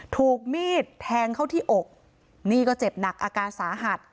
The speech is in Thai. ถูกมีดแทงเข้าที่อกนี่ก็เจ็บหนักอาการสาหัส